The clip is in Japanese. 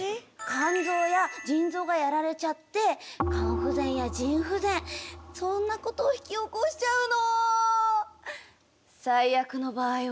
肝臓や腎臓がやられちゃって肝不全や腎不全そんなことを引き起こしちゃうの。